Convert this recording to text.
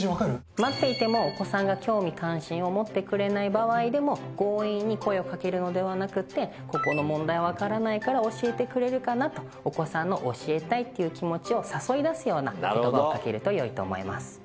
待っていてもお子さんが興味関心を持ってくれない場合でも強引に声をかけるのではなくて「ここの問題わからないから教えてくれるかな」とお子さんの教えたいって気持ちを誘い出すような言葉をかけるとよいと思います。